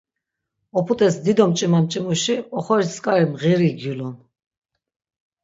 Op̆ut̆es dido mç̆ima mç̆imuşi oxoris tzk̆ari mğiri gyulun.